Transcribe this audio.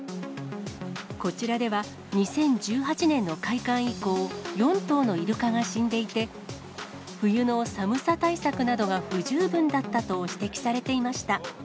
こちらでは、２０１８年の開館以降、４頭のイルカが死んでいて、冬の寒さ対策などが不十分だったと指摘されていました。